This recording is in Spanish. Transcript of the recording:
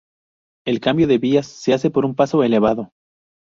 El cambio de vías se hace por un paso elevado.